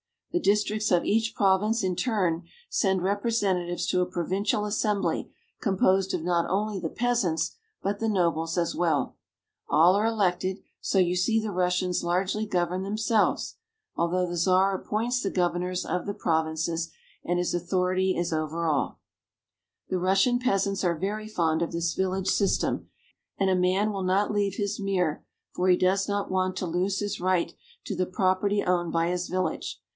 The districts of each province in turn send representatives to a provincial assembly composed of not only the peasants, but the nobles as well. All are elected, so you see the Russians largely govern them selves; although the Czar appoints the governors of the provinces, and his authority is over all. 330 RUSSIA. The Russian peasants are very fond of this village system, and a man will not leave his mir, for he does not want to lose his right to the property owned by his vil lage.